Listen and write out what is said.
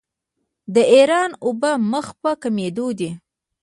د ایران اوبه مخ په کمیدو دي.